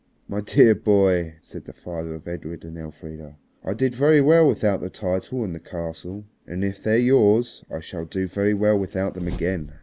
"My dear boy," said the father of Edred and Elfrida, "I did very well without the title and the castle, and if they're yours I shall do very well without them again.